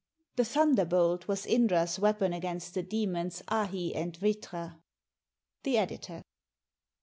The thunderbolt was Indra's weapon against the demons Ahi and Vritra. The Editor.